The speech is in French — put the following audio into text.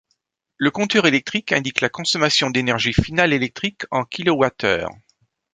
Le compteur électrique indique la consommation d'énergie finale électrique en kWh.